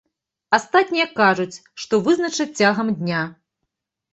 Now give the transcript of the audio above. Астатнія кажуць, што вызначацца цягам дня.